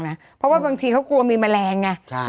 เพราะว่าบางทีเขากลัวมีแมลงไง